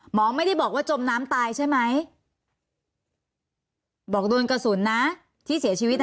หมอไม่ได้บอกว่าจมน้ำตายใช่ไหมบอกโดนกระสุนนะที่เสียชีวิตนะ